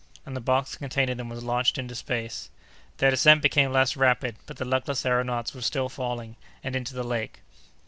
And the box containing them was launched into space. Their descent became less rapid, but the luckless aëronauts were still falling, and into the lake.